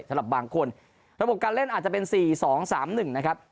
สำหรับบางคนระบบการเล่นอาจจะเป็น๔๒๓๑นะครับ